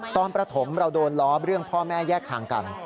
ประถมเราโดนล้อเรื่องพ่อแม่แยกทางกัน